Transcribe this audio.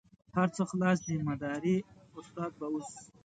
هر څه خلاص دي مداري استاد به اوس.